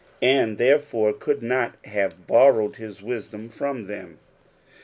and therefore could not have borrowed his wisdom from them.